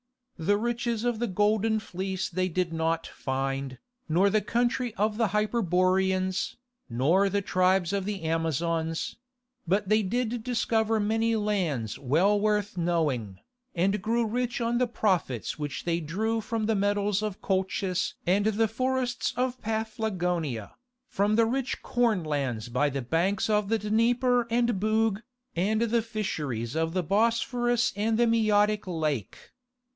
The riches of the Golden Fleece they did not find, nor the country of the Hyperboreans, nor the tribes of the Amazons; but they did discover many lands well worth the knowing, and grew rich on the profits which they drew from the metals of Colchis and the forests of Paphlagonia, from the rich corn lands by the banks of the Dnieper and Bug, and the fisheries of the Bosphorus and the Maeotic Lake.